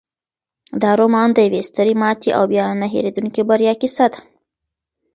دا رومان د یوې سترې ماتې او بیا نه هیریدونکې بریا کیسه ده.